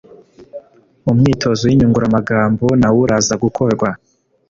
– Umwitozo w’inyunguramagambo nawo uraza gukorwa